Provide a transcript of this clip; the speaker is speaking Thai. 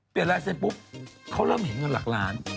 ลายเซ็นปุ๊บเขาเริ่มเห็นเงินหลักล้าน